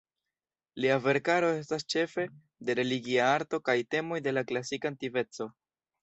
Lia verkaro estas ĉefe de religia arto kaj temoj de la klasika antikveco.